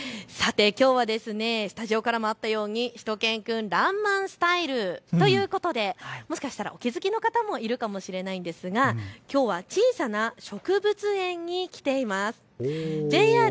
さて、きょうはスタジオからもあったようにしゅと犬くんらんまんスタイル、もしかしたらお気付きの方もいるかもしれないんですが、きょうは小さな植物園に来ています。